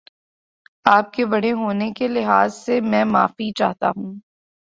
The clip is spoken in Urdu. آپ کے بڑے ہونے کے لحاظ سے میں معافی چاہتا ہوں